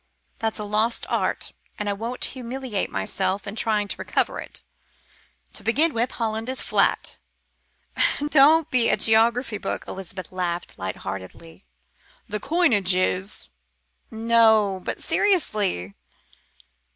That's a lost art, and I won't humiliate myself in trying to recover it. To begin with, Holland is flat." "Don't be a geography book," Elizabeth laughed light heartedly. "The coinage is " "No, but seriously."